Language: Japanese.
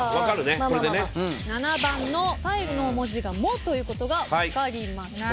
７番の最後の文字が「も」ということが分かりました。